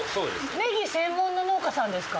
ネギ専門の農家さんですか？